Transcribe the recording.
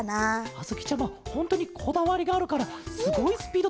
あづきちゃまほんとにこだわりがあるからすごいスピードでしゃべるケロね。